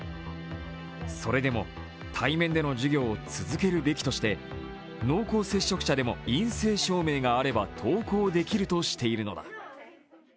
それでも対面の授業を続けるべきとして濃厚接触者でも陰性証明があれば登校できるとしているのだ。